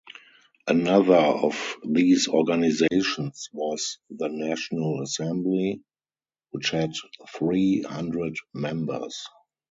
Another of these organizations was the National Assembly, which had three hundred members.